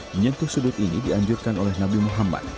menyentuh sudut ini dianjurkan oleh nabi muhammad